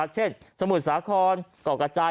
เช่นสมุทรสาขนกระจาย